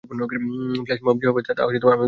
Flash mob যে হবে তা তো আমিও জানতাম না।